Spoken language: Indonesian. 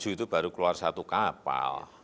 dua ratus tujuh itu baru keluar satu kapal